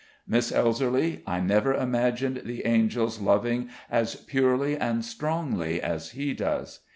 Miss Elserly, I never imagined the angels loving as purely and strongly as he does.